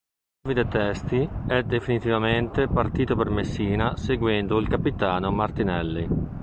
Davide Testi è definitivamente partito per Messina seguendo il capitano Martinelli.